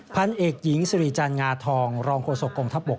พันเอกหญิงสิริจันทร์งาทองรองโฆษกองทัพบก